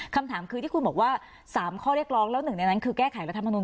คำถามคือที่คุณบอกว่า๓ข้อเรียกร้องแล้วหนึ่งในนั้นคือแก้ไขรัฐมนุน